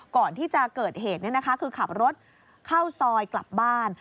ก่อนที่จะเกิดเหตุคือขับรถเข้าซอยกลับบ้าน